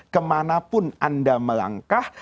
kemana pun anda melangkah